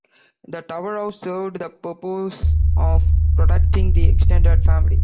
The tower house served the purpose of protecting the extended family.